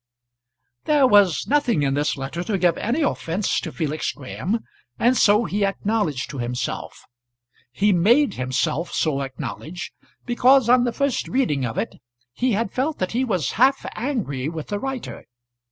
There was nothing in this letter to give any offence to Felix Graham, and so he acknowledged to himself. He made himself so acknowledge, because on the first reading of it he had felt that he was half angry with the writer.